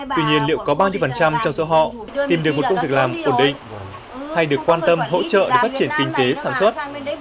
tuy nhiên liệu có bao nhiêu phần trăm trong số họ tìm được một công việc làm ổn định hay được quan tâm hỗ trợ để phát triển kinh tế sản xuất